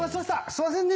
すいませんね。